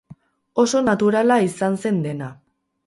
Oso naturala izan zen dena.